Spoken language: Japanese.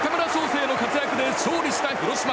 成の活躍で勝利した広島。